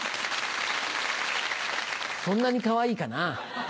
そんなにかわいいかな？